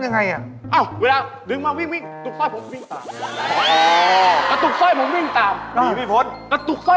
ร่างกายผมแข็งแรงจริงฮะ